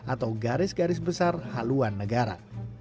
atau garis garis besar haluan negara